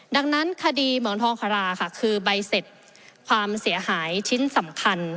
ดังนั้นคดีเหมืองทองคาราค่ะคือใบเสร็จความเสียหายชิ้นสำคัญ